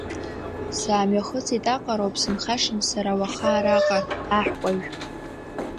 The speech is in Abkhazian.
Саамҩахыҵит аҟароуп, сынхашам сара уаха араҟа, аҳкәажә.